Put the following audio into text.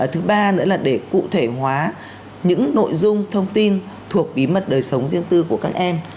thứ ba nữa là để cụ thể hóa những nội dung thông tin thuộc bí mật đời sống riêng tư của các em